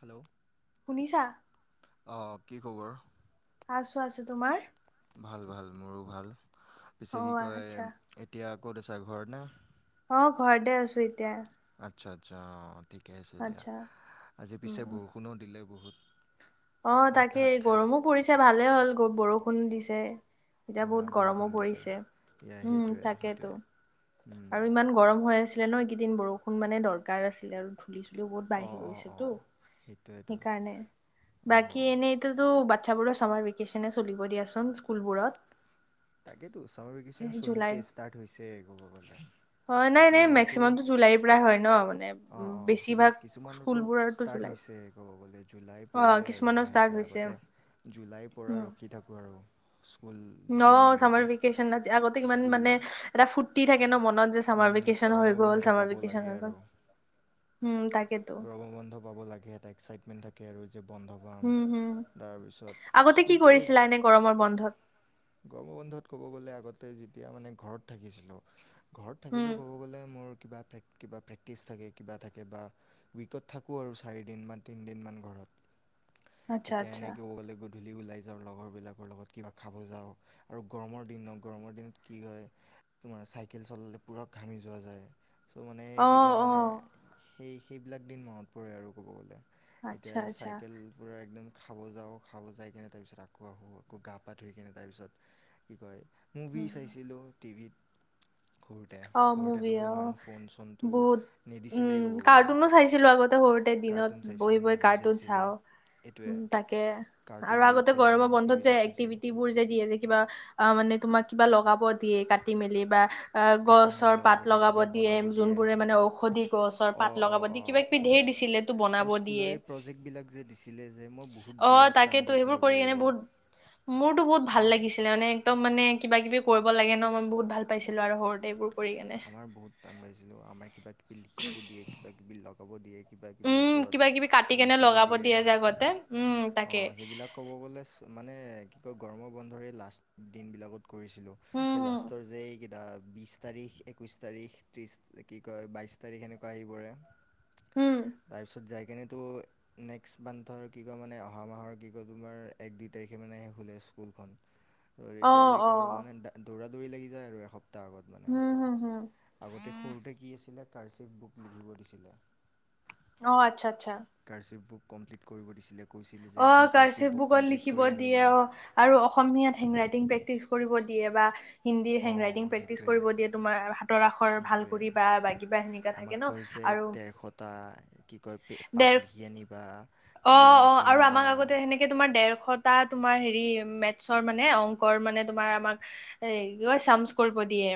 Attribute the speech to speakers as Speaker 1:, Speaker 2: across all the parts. Speaker 1: Hello
Speaker 2: শুনিছা?
Speaker 1: অ কি খবৰ?
Speaker 2: আছো আছো, তোমাৰ?
Speaker 1: ভাল ভাল মোৰো ভাল, পিছে কি
Speaker 2: অ'
Speaker 1: কয়
Speaker 2: আচ্ছা।
Speaker 1: এতিয়া ক'ত আছা ঘৰত নে?
Speaker 2: অ ঘৰতে আছো এতিয়া।
Speaker 1: আচ্ছা আচ্ছা অঁ ঠিকে আছে দিয়া,
Speaker 2: আচ্ছা।
Speaker 1: আজি
Speaker 2: উম,
Speaker 1: পিছে
Speaker 2: উম।
Speaker 1: বৰষুণো দিলে বহুত।
Speaker 2: অ
Speaker 1: হঠাৎ
Speaker 2: তাকেই, গৰমো পৰিছে ভালে হ'ল বৰষুণো দিছে। এতিয়া
Speaker 1: আ,
Speaker 2: বহুত গৰমো
Speaker 1: বৰষুণ দিছে
Speaker 2: পৰিছে,
Speaker 1: ইয়া
Speaker 2: উম
Speaker 1: সেইটোৱে
Speaker 2: তাকেটো
Speaker 1: সেইটোৱে
Speaker 2: আৰু ইমান গৰম হৈ আছে। ছিলে নহয় এই কেইদিন বৰষুণ মানে দৰকাৰ আছিলে আৰু। ধূলি-চুলিও বহুত
Speaker 1: অঁ
Speaker 2: বাঢ়ি
Speaker 1: অঁ অঁ
Speaker 2: গৈছেতো
Speaker 1: সেইটোৱেতো
Speaker 2: সেইকাৰণে। বাকী
Speaker 1: অঁ
Speaker 2: এনেইটোতো বাচ্ছাবোৰৰ চামাৰ ভেকেচনেই চলিব দিয়াচোন স্কুলবোৰত।
Speaker 1: তাকেতো ছামাৰ ভেকেশচন চলিছে
Speaker 2: জুলাইত
Speaker 1: ষ্টাৰ্ট হৈছে ক'ব গ'লে।
Speaker 2: হয় নাই নাই
Speaker 1: কিছুমানৰটো
Speaker 2: মেক্সিমামটো জুলাইৰ পৰাই হয় ন মানে
Speaker 1: অ
Speaker 2: উম,
Speaker 1: অ
Speaker 2: বেছিভাগ
Speaker 1: কিছুমানৰটো
Speaker 2: স্কুলবোৰতো
Speaker 1: ষ্টাৰ্ট
Speaker 2: জুলাইত
Speaker 1: হৈছে। ক'ব গ'লে জুলাই
Speaker 2: অ
Speaker 1: পৰিলে আৰু
Speaker 2: কিছুমানৰ ষ্টাৰ্ট
Speaker 1: লাহেকে
Speaker 2: হৈছে
Speaker 1: আগতে জুলাই পৰাৰ ৰখি খি থাকো আৰু স্কুল
Speaker 2: অ চামাৰ
Speaker 1: দিনবিলাকত
Speaker 2: ভীকেশচন আজি আগতে কিমান
Speaker 1: স্কুল
Speaker 2: মানে এটা ফূৰ্তি থাকে ন মনত যে চামাৰ
Speaker 1: উম,
Speaker 2: ভেকেশ্যন হৈ
Speaker 1: গৰমৰ বন্ধ
Speaker 2: গ'ল চামাৰ
Speaker 1: পাব লাগে
Speaker 2: ভেকেশ্যন হৈ গ'ল।
Speaker 1: আৰু
Speaker 2: উম তাকেতো
Speaker 1: গৰমৰ বন্ধ পাব লাগে এটা এক্সাইটমেণ্ট থাকে আৰু যে বন্ধ অ
Speaker 2: উম হম
Speaker 1: তাৰ পিছত
Speaker 2: আগতে কি
Speaker 1: স্কুল এই
Speaker 2: কৰিছিলা এনে গৰমৰ বন্ধত
Speaker 1: গৰমৰ বন্ধত ক'ব গ'লে আগতে যেতিয়া মানে ঘৰত থাকিছিলো ঘৰত
Speaker 2: উম
Speaker 1: থাকিলেও ক'ব গ'লে মোৰ কিবা প্ৰে কিবা প্ৰেক্টিছ থাকে, কিবা থাকে কিবে উইকত থাকো আৰু চাৰিদিনমান তিনিদিনমান ঘৰত।
Speaker 2: আচ্ছা
Speaker 1: তেতিয়া
Speaker 2: আচ্ছা
Speaker 1: এনেই ক'ব গ'লে গধূলি ওলাই যাওঁ লগৰবিলাকৰ লগত কিবা খাব যাওঁ। আৰু গৰমৰ দিন ন গৰমৰ দিনত কি হয় তোমাৰ চাইকেল চলালে পূৰা ঘামি যোৱা যায়। চ' মানে
Speaker 2: অ
Speaker 1: কি কয়
Speaker 2: অ
Speaker 1: মানে সেই সেইবিলাক দিন মাহত পৰে আৰু ক'ব গ'লে।
Speaker 2: আচ্ছা
Speaker 1: এতিয়া
Speaker 2: আচ্ছা
Speaker 1: চাইকেল পুৰা একদম খাব যাওঁ খাব যাই কেনে তাৰপিছত আকৌ আহো আকৌ গা-পা ধুই কিনে তাৰপিছত কি কয় মুভি
Speaker 2: উম,
Speaker 1: চাইছিলো টিভিত ঘৰত।
Speaker 2: অ মুভি অ বহুত
Speaker 1: নিদিছিলেই
Speaker 2: উম
Speaker 1: ক'ব গ'লে
Speaker 2: কাৰ্টুনো চাইছিলো আগতে সৰুতে দিনত
Speaker 1: কাৰ্টুন
Speaker 2: বঢ়ি
Speaker 1: চাইছিলোঁ
Speaker 2: বঢ়ি
Speaker 1: মুভি
Speaker 2: কাৰ্টুন
Speaker 1: চাইছিলোঁ
Speaker 2: চাওঁ।
Speaker 1: এইটোৱে
Speaker 2: উম তাকে। আৰু
Speaker 1: কাৰ্টুনবিলাক
Speaker 2: আগতে
Speaker 1: চাইছিলোঁ
Speaker 2: গৰমৰ বন্ধত যে
Speaker 1: মুভিবিলাক চাইছিলোঁ
Speaker 2: এক্টিভিটিবোৰ বোৰ যে দিয়ে যে কিবা আ মানে তোমাক কিবা লগাব দিয়ে কাটি মেলি বা আ
Speaker 1: কাটি মিল
Speaker 2: গছৰ পাত লগাব
Speaker 1: কিবা
Speaker 2: দিয়ে
Speaker 1: বনাব
Speaker 2: যোনবোৰে মানে ঔষধি গছৰ পাত
Speaker 1: অঁ অঁ
Speaker 2: লগাব দিয়ে
Speaker 1: অঁ
Speaker 2: কিবাকি কিবি ধেৰ দিছিলে তো বনাব
Speaker 1: আৰু স্কুলৰ
Speaker 2: দিয়ে।
Speaker 1: এই প্ৰজেক্টবিলাক যে দিছিলে যে মই বহুত
Speaker 2: অ
Speaker 1: বিৰাট টান
Speaker 2: তাকেতো সেইবোৰ
Speaker 1: পাইছিলোঁ
Speaker 2: কৰি
Speaker 1: কৰিব
Speaker 2: কেনে বহুত [inaudible] মোৰটো বহুত ভাল লাগিছিলে মানে একদম মানে কিবা কিবি কৰিব লাগে ন মই বহুত ভাল পাইছিলো আৰু সৰু
Speaker 1: আমাৰ বহুত টান পাইছিলো আমাৰ কিব কিবি লিখিব দিয়ে, কিব কিবি লগাব দিয়ে কিবা কিবিৰ
Speaker 2: উম
Speaker 1: ওপৰত
Speaker 2: কিবা কিবি কাটি কেনে
Speaker 1: লিখিব
Speaker 2: লগাব
Speaker 1: দিয়ে।
Speaker 2: যে আগতে উম
Speaker 1: অ,
Speaker 2: তাকে
Speaker 1: সেইবিলাক ক'ব গ'লে মানে কি কয় গৰমৰ বন্ধৰ এই লাষ্ট দিনবিলাকত কৰিছিলো।
Speaker 2: উম
Speaker 1: এই
Speaker 2: হম
Speaker 1: লাষ্টৰ যে এইকিটা বিশ বিশ তাৰিখ, একৈশ তাৰিখ, ত্ৰিছ কি কয় বাইশ তাৰিখ সেনেকুৱা আহি পৰে।
Speaker 2: হম
Speaker 1: তাৰপিছত যাই কেনেটো নেক্সট মান্থৰ কি কয় মানে অহা মাহৰ কি কয় তোমাৰ এক দুই তাৰিখে মানে খোলে স্কুলখন।
Speaker 2: [inaudible]
Speaker 1: ত'
Speaker 2: অ
Speaker 1: তেতিয়ালৈকে আৰু মানে দৌৰা-দৌৰি লাগি যায় আৰু এসপ্তাহ আগত। মানে
Speaker 2: হুম হুম হুম।
Speaker 1: আগতে সৰুতে কি আছিলে কাৰচিপ বুক লিখিব দিছিলে।
Speaker 2: অ আচ্ছা আচ্ছা।
Speaker 1: কাৰশ্বিপ বুক কম্লিট কৰিব দিছিলে। কৈছিলে যে
Speaker 2: অ
Speaker 1: এখন কাৰ্চিভ
Speaker 2: কাৰচিপ
Speaker 1: বুক
Speaker 2: বুকত
Speaker 1: কমপ্লিট
Speaker 2: লিখিব
Speaker 1: কৰি
Speaker 2: দিয়ে
Speaker 1: আনিবা
Speaker 2: অ আৰু অসমীয়াত হেণ্ড ৰাইটিং প্ৰেক্টিচ কৰিব দিয়ে বা হিন্দীৰ
Speaker 1: অঁ
Speaker 2: হেন্দৰাইটিং প্ৰেকটিছ
Speaker 1: সেইটোৱে
Speaker 2: কৰিব দিয়ে তোমাৰ আৰু হা
Speaker 1: সেইটোৱে
Speaker 2: থাকে
Speaker 1: আমাক
Speaker 2: ন
Speaker 1: কৈছে
Speaker 2: আৰু
Speaker 1: ডেৰশটা কি কয়
Speaker 2: দেৰ
Speaker 1: পাত লিখি আনিবা
Speaker 2: অ
Speaker 1: কিবা
Speaker 2: অ
Speaker 1: লিখি
Speaker 2: আৰু আমাক
Speaker 1: আনিবা।
Speaker 2: আগতে সেনেকে তোমাৰ ডেৰশটা তোমাৰ হেৰি মেথছৰ মানে অংকৰ মানে তোমাৰ আমাক হেৰি কি কয় চামচ কৰিব দিয়ে।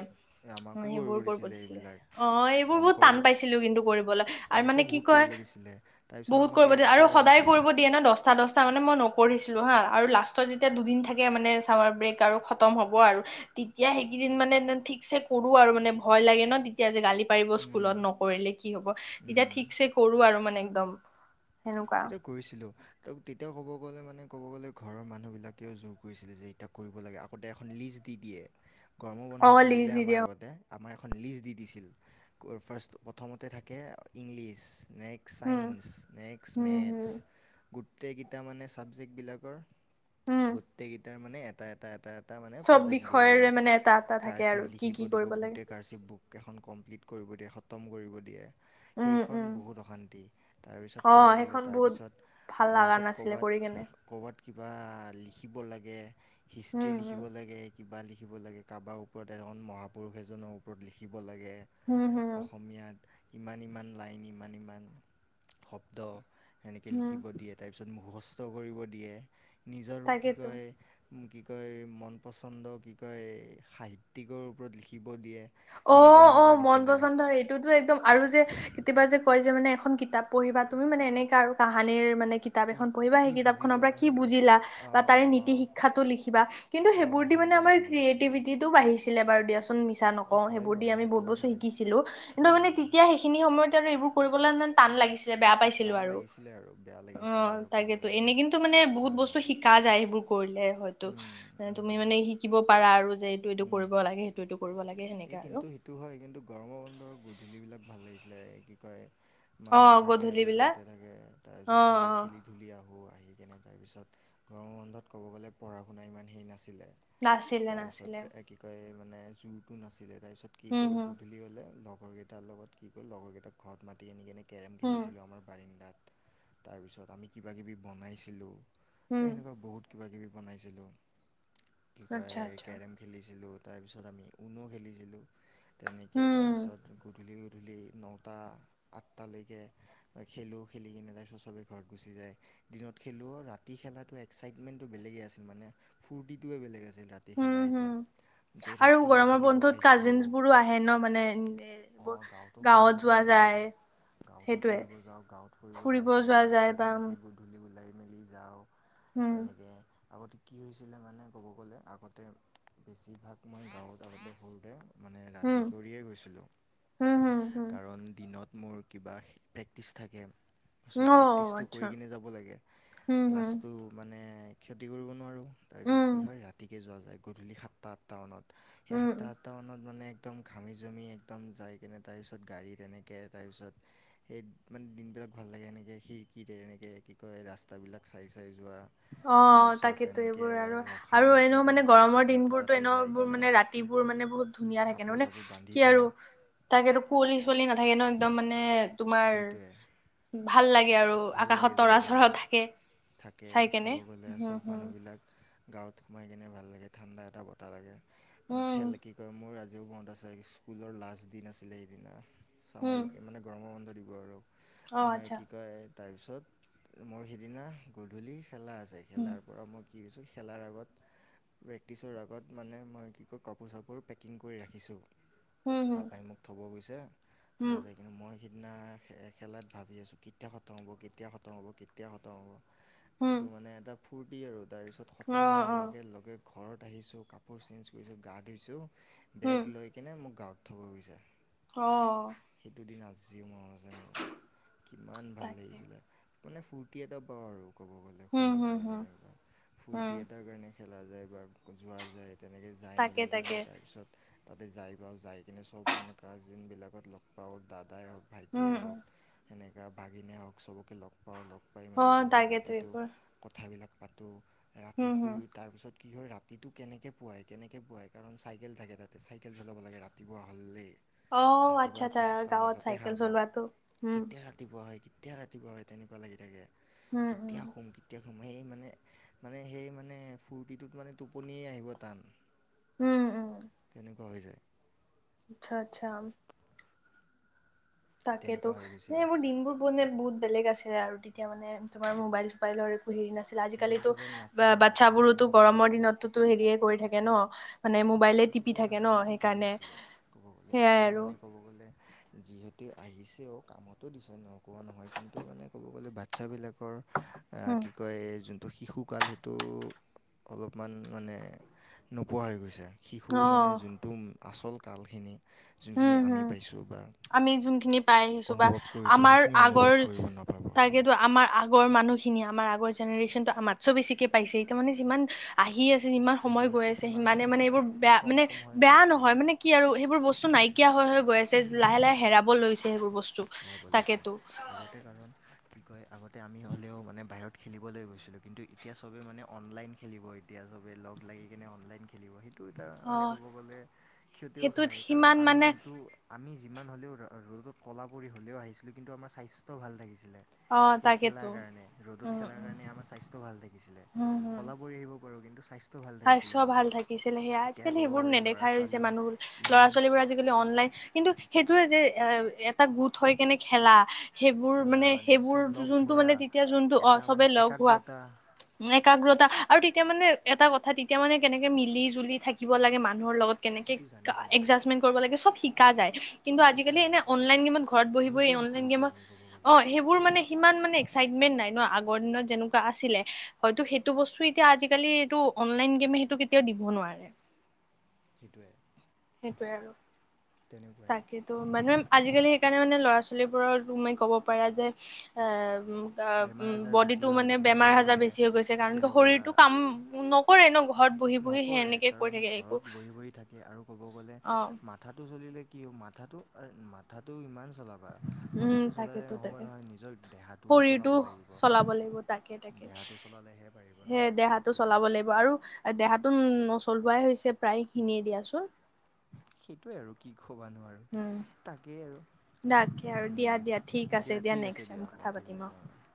Speaker 1: এ, আমাকো
Speaker 2: সেইবোৰ কৰিব দিছিলে
Speaker 1: এইবিলাক
Speaker 2: অ এইবোৰ বহুত টান
Speaker 1: অংকৰ
Speaker 2: পাইছিলো কিন্তু কৰিবলৈ। আৰু
Speaker 1: অংক
Speaker 2: মানে কি
Speaker 1: বহুত
Speaker 2: কয়
Speaker 1: কৰিব দিছিলে তাৰপিছত
Speaker 2: বহুত
Speaker 1: আমাকে
Speaker 2: কৰিব দি
Speaker 1: কি
Speaker 2: আৰু
Speaker 1: কয়
Speaker 2: সদায় কৰিব ন দহটা দহটা মানে মই নকৰিছিলো হা আৰু লাষ্টত যেতিয়া দুদিন থাকে মানে চাৱাৰ ব্ৰেক আৰু খতম ম হ'ব আৰু তেতিয়া সেইকেইদিন মানে ঠিকছে কৰো আৰু মানে ভয় লাগে ন। এতিয়া যে গালি পাৰিব
Speaker 1: উম
Speaker 2: স্কুলত নকৰিলে কি হ'ব
Speaker 1: উম
Speaker 2: তেতিয়া ঠিকছে কৰো আৰু মানে একদম। তেনেকুৱা আৰু।
Speaker 1: তেতিয়া কৰিছিলোঁ। তেতিয়া ক'ব গ'লে মানে ক'ব গ'লে মানে ঘৰৰ মানুহ বিলাকেও জোৰ কৰিছিলে যে এতিয়া কৰিব লাগে বুলি। সদায় এখন লিষ্ট দি দিয়ে গৰমৰ বন্ধ
Speaker 2: অ
Speaker 1: পৰিলে
Speaker 2: লিষ্ট দি
Speaker 1: আমাৰ
Speaker 2: দিয়া
Speaker 1: আগতে, আমাৰ এখন লিষ্ট দি দিছিল ফাৰ্ষ্ট প্ৰথমতে থাকে ইংলিছ নেক্সট নেক্স
Speaker 2: উম
Speaker 1: ছাইস নেক্সট
Speaker 2: হম
Speaker 1: মেথছ
Speaker 2: হম
Speaker 1: গোটেইকেইটা মানে ছাবজেক্টবিলাকৰ
Speaker 2: উম
Speaker 1: গোটেইকেইটাৰ মানে এটা এটা এটা এটা এটা মানে
Speaker 2: চব
Speaker 1: প্ৰজেক্ট দিয়ে আৰু
Speaker 2: বিষয়ৰে মানে এটা এটা
Speaker 1: কাৰ
Speaker 2: থাকে আৰু
Speaker 1: চিফ
Speaker 2: কি
Speaker 1: লিখিব
Speaker 2: কি
Speaker 1: দিব
Speaker 2: কৰিব লাগে
Speaker 1: গোটেই কাৰশ্বিপ বুক কিখন কমপ্লিট কৰিব দিয়ে খতম কৰিব দিয়ে।
Speaker 2: উম
Speaker 1: সেইখন
Speaker 2: উম
Speaker 1: বহুত অশান্তি
Speaker 2: অ
Speaker 1: তাৰপিছত ক'ব গ'লে
Speaker 2: সেইখন বহুত
Speaker 1: তাৰপিছত
Speaker 2: ভাল লগা
Speaker 1: তাৰপিছত
Speaker 2: নাছিলে কৰি কেনে
Speaker 1: ক'ৰবাত ক'ৰবাত কিবা লিখিব লাগে
Speaker 2: উম
Speaker 1: হিষ্ট্ৰী
Speaker 2: হম
Speaker 1: লিখিব লাগে কিবা লিখিব লাগে কাৰোবাৰ ওপৰত এখন মহাপুৰুষ এজনৰ ওপৰত লিখিব লাগে।
Speaker 2: হম হম
Speaker 1: অসমীয়াত ইমান ইমান লাইন ইমান ইমান শব্দ সেনেকৈ
Speaker 2: হম
Speaker 1: লিখিব দিয়ে তাৰপিছত মুখস্থ কৰিব দিয়ে। নিজৰ কি
Speaker 2: তাকেতো
Speaker 1: কয় কি কয় মন পচন্দ কি কয় সাহিত্যিকৰ ওপৰত লিখিব দিয়ে।
Speaker 2: অ
Speaker 1: সেনেকুৱা
Speaker 2: অ
Speaker 1: সেনেকুৱা
Speaker 2: মন
Speaker 1: দিছিলে
Speaker 2: পচন্দ এইটোতো একদম আৰু যে কেতিবা যে কয় যে মানে এখন কিতাপ পঢ়িবা তুমি মানে এনেকা আৰু কাহানিৰ মানে কিতাপ
Speaker 1: কি
Speaker 2: এখন পঢ়িবা সেই
Speaker 1: কি বুজি
Speaker 2: কিতাপখনৰ পৰা
Speaker 1: পালে
Speaker 2: কি
Speaker 1: সেনেকুৱা
Speaker 2: বুজিলা বা
Speaker 1: অঁ
Speaker 2: তাৰে
Speaker 1: অঁ
Speaker 2: নীতি
Speaker 1: অঁ
Speaker 2: শিক্ষাতটো লিখিবা কিন্তু সেইবোৰ
Speaker 1: অঁ
Speaker 2: দি মানে
Speaker 1: সেনেকুৱা
Speaker 2: আমাৰ
Speaker 1: লিখিব দিছিলে
Speaker 2: ক্ৰিয়েটিভিটিটো বাঢ়িছিলে বাৰু দিয়াচোন মিছা
Speaker 1: এ,
Speaker 2: নকওঁ।
Speaker 1: হয়
Speaker 2: সেইবোৰ দি
Speaker 1: বাৰু
Speaker 2: আমি বহুত
Speaker 1: সেইটোও
Speaker 2: বস্তু
Speaker 1: হয়
Speaker 2: শিকিছিলো কিন্তু মানে
Speaker 1: উম,
Speaker 2: তেতিয়া সেইখিনি সময়ত আৰু এইবোৰ কৰিবলে ইমান টান লাগিছিলে বেয়া পাইছিলোঁ
Speaker 1: টান
Speaker 2: আৰু
Speaker 1: লাগিছিলে আৰু বেয়া
Speaker 2: অ
Speaker 1: লাগিছিলে আৰু ক'ব
Speaker 2: তাকেতো
Speaker 1: কাৰণে
Speaker 2: এনেই কিন্তু মানে বহুত
Speaker 1: হা
Speaker 2: বস্তু শিকা যায় সেইবোৰ কৰিলে হয়তো
Speaker 1: উম
Speaker 2: তুমি
Speaker 1: উম
Speaker 2: মানে শিকিব পাৰা আৰু যে এইটো এইটো কৰিব
Speaker 1: উম
Speaker 2: লাগে লাগে সেইটো সেইটো কৰিব লাগে সেনেকে।
Speaker 1: এই
Speaker 2: আৰু
Speaker 1: কিন্তু সেইটো হয় কিন্তু গৰম বন্ধৰ গধূলিবিলাক ভাল লাগিছিলে কি কয় মাঁ
Speaker 2: অ
Speaker 1: সতে থাকে
Speaker 2: গধূলি বিলাক
Speaker 1: দেউতাহঁতে থাকে
Speaker 2: অ
Speaker 1: তাৰপিছত চবে
Speaker 2: অ
Speaker 1: খেলি গধূলি আহোঁ আহি কেনে তাৰপিছত গৰমৰ বন্ধত ক'ব গ'লে পঢ়া শুনা ইমান হেৰি নাছিলে।
Speaker 2: নাছিলে নাছিলে
Speaker 1: তাৰপিছত কি কয় মানে জোৰটো নাছিলে তাৰপিছত কি
Speaker 2: উম
Speaker 1: কৰোঁ
Speaker 2: হুম
Speaker 1: গধূলি হ'লে লগৰ কেইটাৰ লগত কি কৰোঁ লগৰ কেইটাক ঘৰত মাতি আনি কিনি কেৰম
Speaker 2: হুম
Speaker 1: খেলিছিলোঁ আমাৰ বাৰিন্দাত তাৰপিছত কিবা কিবি বনাইছিলোঁ।
Speaker 2: হুম
Speaker 1: এই সেনেকুৱা বহুত কিবা কিবি বনাইছিলোঁ কি কয়
Speaker 2: আচ্ছা আচ্ছা
Speaker 1: কেৰেম খেলিছিলোঁ তাৰপিছত আমি ঊনো খেলিছিলোঁ তেনেকৈ
Speaker 2: উম
Speaker 1: তাৰপিছত গধূলি গধূলি নটা আঠটা লৈকে খেলোঁ খেলি কিনে তাৰপিছত চবেই ঘৰত গুচি যায়। দিনত খেলোঁ ৰাতি খেলাটো এক্সাইটমেণ্টটো বেলেগেই আছিল মানে ফূৰ্তিটোৱে বেলেগ আছিল ৰাতি। দেখা
Speaker 2: হুম
Speaker 1: নাই সেইটো
Speaker 2: হুম
Speaker 1: যে
Speaker 2: আৰু
Speaker 1: ৰাত ই
Speaker 2: গৰমৰ
Speaker 1: খেলিব
Speaker 2: বন্ধত
Speaker 1: পাইছোঁ
Speaker 2: কাজিনচ বোৰো আহে ন মানে
Speaker 1: অ
Speaker 2: এইবোৰ
Speaker 1: গাঁৱতো ফুৰিব
Speaker 2: গাঁৱত যোৱা
Speaker 1: যাওঁ বাৰু
Speaker 2: যায়
Speaker 1: গাঁৱতো
Speaker 2: সেইটোয়ে
Speaker 1: ফুৰিব যাওঁ গাঁৱত ফুৰিব যায় কিনে
Speaker 2: যোৱা যায়
Speaker 1: তাৰপিছত
Speaker 2: বা
Speaker 1: সেনেকে গধূলি ওলাই মেলি যাওঁ
Speaker 2: উম
Speaker 1: তেনেকে আগতে কি হৈছিলে মানে ক'ব গ'লে আগতে বেছিভাগ মই গাঁৱত আগতে সৰুতে মানে ৰাতি
Speaker 2: উম
Speaker 1: কৰিয়ে গৈছিলোঁ
Speaker 2: হুম হুম হুম
Speaker 1: কাৰণ দিনত মোৰ কিবা প্ৰেক্টিছ থাকে চ‌
Speaker 2: অ
Speaker 1: প্ৰেক্টিছটো
Speaker 2: আচ্ছা
Speaker 1: কৰি কিনে যাব লাগে
Speaker 2: উম হুম
Speaker 1: ক্লাছটো মানে ক্ষতি কৰিব নোৱাৰোঁ তাৰপিছত
Speaker 2: উম
Speaker 1: কি হয় ৰাতিকে যোৱা যায় গধূলি সাতটা আঠতা মানত সেই
Speaker 2: উম
Speaker 1: সাতটা আঠটা মানত মানে একদম ঘামি জামি একদম যাই কিনে তাৰপিছত গাড়ী তেনেকে তাৰপিছত সেই মানে দিনবিলাক ভাল লাগে এনেকে খিৰিকীৰে এনেকে কি কয় ৰাস্তাবিলাক চাই চাই যোৱা
Speaker 2: অ
Speaker 1: তাৰপিছত
Speaker 2: তাকেইতো
Speaker 1: এনেকৈ
Speaker 2: এইবোৰ আৰু
Speaker 1: ৰখা
Speaker 2: আৰু
Speaker 1: ৰখি
Speaker 2: এনেও
Speaker 1: কেনে
Speaker 2: মানে
Speaker 1: তাৰপিছত
Speaker 2: গৰমৰ দিন
Speaker 1: সিহঁতৰ
Speaker 2: বোৰতো
Speaker 1: তাতে
Speaker 2: এনেও
Speaker 1: যাই
Speaker 2: এইবোৰ
Speaker 1: কিনে
Speaker 2: মানে ৰাতি ৰাতি বোৰ মানে বহুত ধুনীয়া থাকে
Speaker 1: কাপোৰ
Speaker 2: মানে
Speaker 1: চাপোৰ বান্ধি
Speaker 2: কি
Speaker 1: থোৱা
Speaker 2: আৰু তাকেটো কুৱলি চুৱলি নাথাকে ন একদম মানে তোমাৰ
Speaker 1: সেইটোৱে
Speaker 2: ভাল লাগে আৰু
Speaker 1: ভাল লাগে
Speaker 2: আকাশত তৰা
Speaker 1: যাই কিনে
Speaker 2: চৰা থাকে
Speaker 1: থাকে
Speaker 2: চাই কেনে
Speaker 1: ক'ব গ'লে
Speaker 2: হম
Speaker 1: চব
Speaker 2: হম
Speaker 1: মানুহবিলাক গাঁৱত সোমাই কিনে ভাল লাগে ঠাণ্ডা এটা বতাহ লাগে
Speaker 2: উম
Speaker 1: খেল কি কয় মোৰ আজিও মনত আছে স্কুলৰ লাষ্ট দিন আছিলে সেইদিনা চামাৰ
Speaker 2: উম
Speaker 1: মানে গৰমৰ বন্ধ দিব আৰু
Speaker 2: অ
Speaker 1: মই
Speaker 2: আচ্ছা
Speaker 1: কি কয় তাৰপিছত মোৰ সিদিনা গধূলি খেলা আছে
Speaker 2: উম
Speaker 1: খেলাৰ পৰা মই কি কৈছোঁ খেলাৰ আগত প্ৰেক্টিছৰ আগত মানে মই কি কয় কাপোৰ চাপোৰ পেকিং কৰি ৰাখিছোঁ
Speaker 2: হম হম
Speaker 1: পাপাই মোক থ'ব গৈছে থব
Speaker 2: উম
Speaker 1: যায় মানে মই সিদিনা খেলাত ভাবি আছোঁ কেতিয়া খতম হ'ব কেতিয়া খতম হ'ব কেতিয়া খতম হ'ব
Speaker 2: হম
Speaker 1: সেইটো মানে এটা ফূৰ্তি আৰু তাৰপিছত
Speaker 2: অ
Speaker 1: খতম হোৱাৰ
Speaker 2: অ
Speaker 1: লগে লগে ঘৰত আহিছোঁ কাপোৰ চেঞ্জ কৰিছোঁ গা ধুইছোঁ
Speaker 2: উম
Speaker 1: বেগ লৈ কিনে মোক গাঁৱত থ'ব গৈছে
Speaker 2: অ
Speaker 1: সেইটো দিন আজিও মনত আছে মোৰ কিমান ভাল
Speaker 2: তাকে
Speaker 1: লাগিছিলে মানে ফূৰ্তি এটা কওঁ আৰু ক'ব গ'লে
Speaker 2: উম হম
Speaker 1: সৰুতে
Speaker 2: হম
Speaker 1: তেনেকুৱা
Speaker 2: উম
Speaker 1: ফূৰ্তি এটাৰ কাৰণে খেলা যায় বা যোৱা যাই তেনেকে যাই
Speaker 2: তাকে
Speaker 1: মেলি
Speaker 2: তাকে
Speaker 1: কিনে তাৰপিছত তাতে যাই পাওঁ যাই কিনে চব মানে কাজিন বিলাকক লগ পাওঁ দাদাই হওক
Speaker 2: উম
Speaker 1: ভাইটিয়েই
Speaker 2: উম
Speaker 1: হওক সেনেকা ভাগিনে হওক চবকে লগ পাওঁ লগ পাই
Speaker 2: অ
Speaker 1: মেলি কিনে
Speaker 2: তাকেতো
Speaker 1: ৰাতিটো
Speaker 2: এইবোৰ
Speaker 1: কথাবিলাক পাতোঁ ৰাতি
Speaker 2: হম
Speaker 1: শুই
Speaker 2: হম
Speaker 1: তাৰপিছত কি হয় ৰা ৰাতিটো কেনেকে পোৱাই কেনেকে পোৱাই কাৰণ চাইকেল থাকে তাতে চাইকেল চলাব লাগে ৰাতিপুৱা হ'লেই
Speaker 2: অ', আচ্ছা
Speaker 1: ৰাতিপুৱা
Speaker 2: আচ্ছা
Speaker 1: পাঁচটা
Speaker 2: গাঁৱত
Speaker 1: বজাতে
Speaker 2: চাইকেল
Speaker 1: সাৰ পাওঁ
Speaker 2: চলোৱাটো উম।
Speaker 1: কেতিয়া ৰাতিপুৱা হয় কেতিয়া ৰাতিপুৱা হয় তেনেকুৱা লাগি থাকে
Speaker 2: উম, উম।
Speaker 1: কেতিয়া শুম কেতিয়া শুম সেই মানে মানে সেই মানে ফূৰ্তিটোত মানে টোপনিয়েই আহিব টান
Speaker 2: হুম উম
Speaker 1: তেনেকুৱা হৈ যায়
Speaker 2: আচ্ছা আচ্ছা উম তাকেতো
Speaker 1: তেনেকুৱা হৈ গৈছিলে
Speaker 2: এইবোৰ দিনবোৰ বহুত মানে বহুত বেলেগ আছিলে আৰু তেতিয়া মানে তোমাৰ মোবাইল চোবাইলৰ একো হেৰি নাছিল
Speaker 1: মোবাইল
Speaker 2: আজিকালিতো
Speaker 1: চোবাইল
Speaker 2: বা
Speaker 1: নাছিলে আৰু
Speaker 2: বাচ্ছাবোৰোতো
Speaker 1: ইমান
Speaker 2: গৰমৰ দিনতোটো হেৰিয়ে কৰি থাকে ন মানে
Speaker 1: আৰু
Speaker 2: মোবাইলে
Speaker 1: মোবাইল
Speaker 2: টিপি
Speaker 1: চোবাইল
Speaker 2: থাকে ন
Speaker 1: নাথাকাটো ভাল
Speaker 2: সেইকাৰণে
Speaker 1: আছিলে ক'ব গ'লে
Speaker 2: সেইয়াই
Speaker 1: এতিয়া
Speaker 2: আৰু।
Speaker 1: মানে ক'ব গ'লে যিহেতু আহিছেও কামতো দিছে নকৰা নহয় কিন্তু মানে ক'ব গ'লে বাচ্ছাবিলাকৰ আ'
Speaker 2: উম।
Speaker 1: কি কয় যোনটো শিশুকাল সেইটো অলপমান মান নোপোৱা হৈ গৈছে। শিশুৰ মানে যোনটো আচল কালখিনি যোনখিনি
Speaker 2: হুম,
Speaker 1: আমি
Speaker 2: হুম।
Speaker 1: পাইছোঁ বা
Speaker 2: আমি যোনখিনি পাই আহিছো বা
Speaker 1: অনুভৱ কৰিছোঁ
Speaker 2: আমাৰ
Speaker 1: সেইখিনি অনুভৱ
Speaker 2: আগৰ
Speaker 1: কৰিব নাপাব
Speaker 2: তাকেতো আমাৰ আগ গৰ মানুহখিনি আমাৰ আগৰ জেনেৰেশ্যনটো আমাতছেও বেছিকে পাইছে। এতিয়া মানে যিমান আহি আছে যিমান
Speaker 1: আহি
Speaker 2: সময় গৈ আছে
Speaker 1: সিমান
Speaker 2: সিমানে, মানে
Speaker 1: সংখ্যক
Speaker 2: এইবোৰ বেয়া
Speaker 1: কম
Speaker 2: মানে
Speaker 1: কম হৈ
Speaker 2: বেয়া
Speaker 1: গৈছে
Speaker 2: নহয় মানে। কি আৰু সেইবোৰ বস্তু নাইকিয়া হৈ হৈ গৈ আছে লাহে লাহে, হেৰাব লৈছে সেইবোৰ বস্তু।
Speaker 1: ৰাব লাগিছে
Speaker 2: তাকেতো।
Speaker 1: আগতে কাৰণ কি কয় আগতে আমি হ'লেও মানে বাহিৰত খেলিবলৈ গৈছিলোঁ। কিন্তু এতিয়া চবে মানে অনলাইন খেলিব। এতিয়া চবে লগ লাগি কিনে অনলাইন খেলিব সেই টো। তাৰ
Speaker 2: অ
Speaker 1: মানে ক'ব গ'লে ক্ষতিও
Speaker 2: সেইটোত
Speaker 1: হয়, কাৰণ
Speaker 2: সিমান
Speaker 1: আমি
Speaker 2: মানে
Speaker 1: যোনটো আমি যিমান হ'লেও ৰ'দত ক'লা পৰি হ'লেও আহিছিলোঁ, কিন্তু আমাৰ স্বাস্থ্যও ভাল থাকিছিলে।
Speaker 2: অ
Speaker 1: সেই
Speaker 2: তাকেতো
Speaker 1: খেলাৰ কাৰণে ৰ'দত
Speaker 2: উম
Speaker 1: খেলাৰ
Speaker 2: উম
Speaker 1: কাৰণে আমাৰ স্বাস্থ্যও ভাল থাকিছিলে।
Speaker 2: হম হম
Speaker 1: ক'লা পৰি আহিব পাৰোঁ কিন্তু স্বাস্থ্য ভাল থাকিছিলে
Speaker 2: স্বাস্থ্য
Speaker 1: আমাৰ
Speaker 2: ভাল থাকিছিলে। সেইয়া
Speaker 1: এতিয়া
Speaker 2: আজিকালি
Speaker 1: ক'ব
Speaker 2: সেইবোৰ
Speaker 1: গ'লে ল'ৰা
Speaker 2: নেদেখাই হৈছে
Speaker 1: ছোৱালীৰ
Speaker 2: মানুহবোৰ, ল'ৰা
Speaker 1: ইমান
Speaker 2: ছোৱালীবোৰ আজিকালি আজিকালি অনলাইন, কিন্তু সেইটোয়ে যে এ এটা গোট হৈ কেনে খেলা সেইবোৰ
Speaker 1: খেলা
Speaker 2: মানে সেইবোৰ
Speaker 1: চব লগ
Speaker 2: যোনটো
Speaker 1: ধৰা
Speaker 2: মানে তেতিয়া যোনটো অহ
Speaker 1: এটা
Speaker 2: চবে
Speaker 1: মানে
Speaker 2: লগ হোৱা।
Speaker 1: একাগ্ৰতা
Speaker 2: উম, একাগ্ৰতা আৰু তেতিয়া মানে এটা কথা তেতিয়া মানে কেনেকে মিলি জুলি থাকিব লাগে মানুহৰ লগত কেনেকে
Speaker 1: সেইটো জানিছিলোঁ
Speaker 2: এডজাষ্টমেন্ট কৰিব লাগে শিকা যায়। কিন্তু
Speaker 1: শিকা
Speaker 2: আজিকালি এনে
Speaker 1: যায়
Speaker 2: অনলাইন গে'মত ঘৰত বহি বহি
Speaker 1: নিজে শিকোঁ
Speaker 2: অনলাইন
Speaker 1: সেইটো
Speaker 2: গেমত
Speaker 1: আমি ক'ব গ'লে
Speaker 2: অহ সেই বোৰ মানে সিমান মানে এক্সাইটমেন্ট নাই ন, আগৰ দিনত যেনেকুৱা আছিলে। হয়টো সেইটো বস্তু এতিয়া আজিকালি এইটো অনলাইন গে'মে সেইটো কেতিয়াও দিব নোৱাৰে।
Speaker 1: সেইটোৱে।
Speaker 2: সেইটোৱে আৰু
Speaker 1: তেনেকুৱাই
Speaker 2: তাকে। ত' মানুহে আজিকালি সেইকাৰণে মানে ল'ৰা ছোৱালীবোৰৰ মানে ক'ব পাৰা যে আহ আহ‌
Speaker 1: বেমাৰ
Speaker 2: উম
Speaker 1: আজাৰ
Speaker 2: বডি
Speaker 1: বেছি
Speaker 2: টো
Speaker 1: হয়
Speaker 2: মানে
Speaker 1: তোমাৰ ক'ব
Speaker 2: বেমাৰ আজাৰ
Speaker 1: গ'লে
Speaker 2: বেছি হৈ গৈছে। কাৰণ কি
Speaker 1: তেনেকুৱা
Speaker 2: শৰীৰটো কাম উম নকৰে ন। ঘৰত বহি বহি সেই
Speaker 1: নকৰে।
Speaker 2: এনেকে কৈ
Speaker 1: কাৰণ
Speaker 2: থাকে একো
Speaker 1: ঘৰত বহি বহি থাকি আৰু কব' গ'লে
Speaker 2: অ
Speaker 1: মা থাটো চলিলে কি হ'ব, মাথাটো মাথাটো ইমান চলাবা
Speaker 2: উম
Speaker 1: মাথাটো চলালে
Speaker 2: তাকেতো
Speaker 1: নহ'ব
Speaker 2: তাকে
Speaker 1: নহয় নিজৰ দেহাটোও
Speaker 2: শৰীৰটো
Speaker 1: চলাব লাগিব।
Speaker 2: চলাব লাগিব তাকে তাকে
Speaker 1: দেহাটো চলালেহে পাৰিব ন সেইটোৱে।
Speaker 2: এই দেহাতো নচলোৱাই হৈছে প্ৰায় খিনিয়ে দিয়াচোন।
Speaker 1: সেইটোৱে আৰু কি কবা নো আৰু,
Speaker 2: উম
Speaker 1: তাকেই আৰু।
Speaker 2: তাকে আৰু, দিয়া
Speaker 1: উম,
Speaker 2: দিয়া ঠিক আছে দিয়া
Speaker 1: ঠিক
Speaker 2: নেক্স টাইম
Speaker 1: অঁ
Speaker 2: কথা
Speaker 1: ঠিক
Speaker 2: পাতিম
Speaker 1: আছে অঁ
Speaker 2: আৰু।